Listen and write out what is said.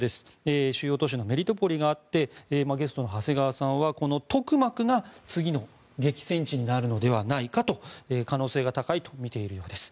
主要都市のメリトポリがあってゲストの長谷川さんはこのトクマクが次の激戦地になるのではとその可能性が高いとみているそうです。